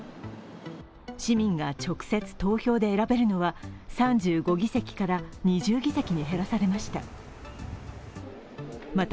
市民が直接投票で選べるのは３５議席から２０議席に減らされました。